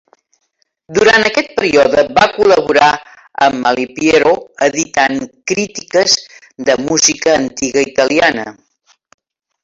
Durant aquest període va col·laborar amb Malipiero editant crítiques de música antiga italiana.